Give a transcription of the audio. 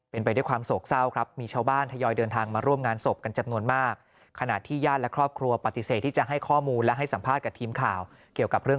เป็นไปด้วยความโศกเศร้าครับ